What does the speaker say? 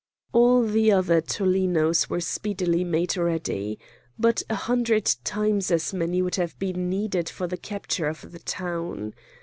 All the other tollenos were speedily made ready. But a hundred times as many would have been needed for the capture of the town.